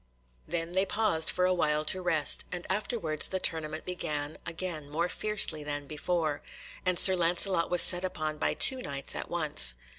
Then they paused for a while to rest, and afterwards the tournament began again more fiercely than before, and Sir Lancelot was set upon by two Knights at once.